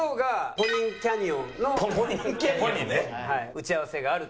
打ち合わせがあると。